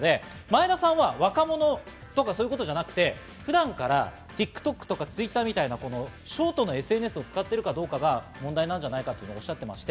前田さんは若者とかそういうことではなく普段からＴｉｋＴｏｋとかＴｗｉｔｔｅｒみたいなショートのＳＮＳを使っているかどうかが問題なんじゃないかとおっしゃっています。